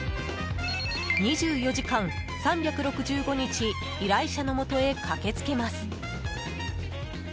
２４時間３６５日依頼者のもとへ駆けつけます。